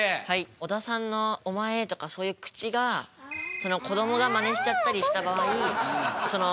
小田さんの「お前」とかそういう口がこどもがマネしちゃったりした場合わるい。